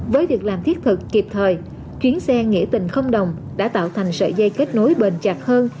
với việc làm thiết thực kịp thời chuyến xe nghĩa tình không đồng đã tạo thành sợi dây kết nối bền chặt hơn